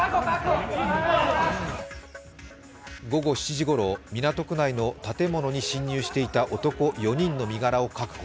午後７時ごろ、港区内の建物に侵入していた男４人の身柄を確保。